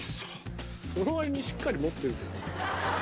そのわりにしっかり持ってるけど。